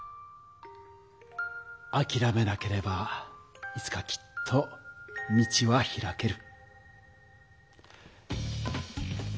あきらめなければいつかきっと道は開ける。